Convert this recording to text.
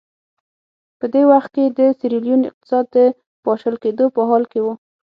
په دې وخت کې د سیریلیون اقتصاد د پاشل کېدو په حال کې و.